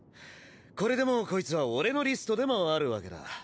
これでもうこいつは俺のリストでもあるわけだ。